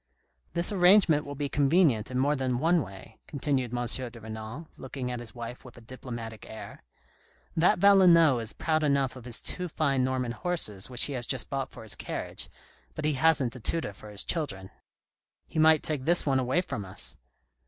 "jThis arrangement will be convenient in more than one way," continued M. de Renal, looking at his wife with a diplomatic air. " That Valenod is proud enough of his two fine Norman horses which he has just bought for his carriage, but he hasn't a tutor for his children." " He might take this one away from us."